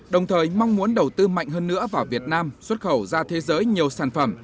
đồng thời mong muốn đầu tư mạnh hơn nữa vào việt nam xuất khẩu ra thế giới nhiều sản phẩm